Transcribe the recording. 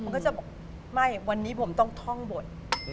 มันก็จะบอกไม่วันนี้ผมต้องท่องบท